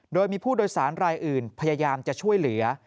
โดยมีผู้โดยสารรายอื่นพยายามจะช่วยเหลือ